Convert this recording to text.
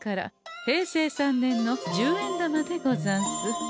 平成３年の十円玉でござんす。